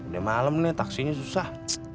udah malam nih taksinya susah